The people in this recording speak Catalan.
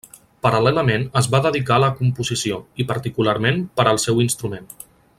Paral·lelament, es va dedicar a la composició, i particularment per al seu instrument.